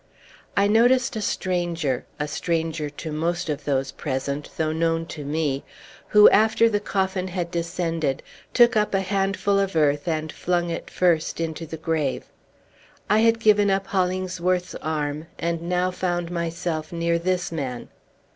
I noticed a stranger, a stranger to most of those present, though known to me, who, after the coffin had descended, took up a handful of earth and flung it first into the grave. I had given up Hollingsworth's arm, and now found myself near this man.